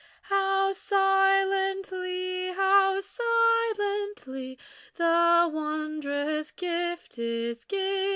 How silently, how silently, The wondrous gift is given